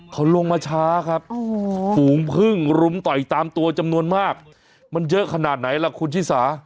เขาลงมาช้าครับฝูงพึ่งรุมต่อยตามตัวจำนวนมากมันเยอะขนาดไหนล่ะคุณชิสา